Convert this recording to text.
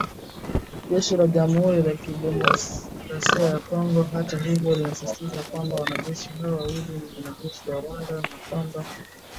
Jeshi la Jamhuri ya Kidemokrasia ya Kongo hata hivyo linasisitiza kwamba wanajeshi hao wawili ni wanajeshi wa Rwanda na kwamba kamanda wao ni kampuni